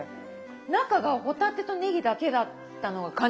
中が帆立てとねぎだけだったのが感じない。